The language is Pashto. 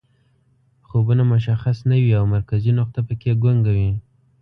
خوبونه مشخص نه وي او مرکزي نقطه پکې ګونګه وي